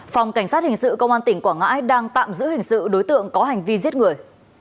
phòng cảnh sát hình sự công an tỉnh quảng ngãi đang tạm giữ hình sự đối tượng có hành vi giết người